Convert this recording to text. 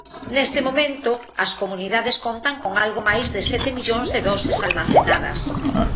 Neste momento, as comunidades contan con algo máis de sete millóns de doses almacenadas.